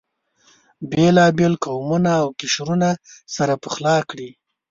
بېلابېل قومونه او قشرونه سره پخلا کړي.